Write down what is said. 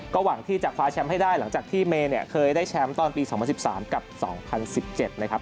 หวังที่จะคว้าแชมป์ให้ได้หลังจากที่เมย์เนี่ยเคยได้แชมป์ตอนปี๒๐๑๓กับ๒๐๑๗นะครับ